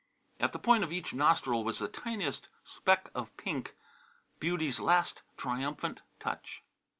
At the point of each nostril was the tiniest speck of pink, Beauty's last triumphant touch.